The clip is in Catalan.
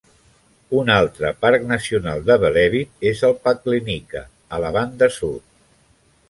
Un altre parc nacional de Velebit és el Paklenica, a la banda sud.